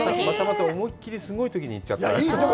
またまた思いきりすごいときに行っちゃったね。